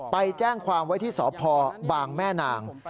ไปแจ้งความไว้ที่สพบางแม่นาง